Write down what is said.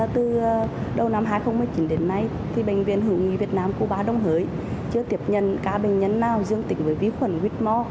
từ đầu năm hai nghìn một mươi chín đến nay bệnh viện hữu nghị việt nam cuba đồng hới chưa tiếp nhận ca bệnh nhân nào dương tính với vi khuẩn whitmore